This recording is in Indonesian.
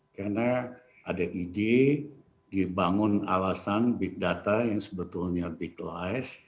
karena ada ide dibangun alasan big data yang sebetulnya big lies